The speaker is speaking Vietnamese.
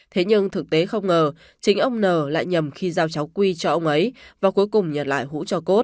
thế nhưng thực tế không ngờ chính ông n lại nhầm khi giao cháu quy cho ông ấy và cuối cùng nhận lại hũ cho cốt